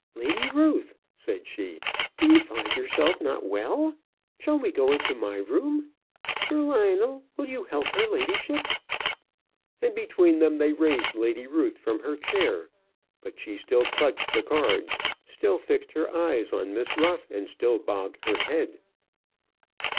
"Lady Ruth," said she, "do you find yourself not well? Shall we go into my room? Sir Lionel, will you help her ladyship?" And between them they raised Lady Ruth from her chair. But she still clutched the cards, still fixed her eyes on Miss Ruff, and still bobbed her head.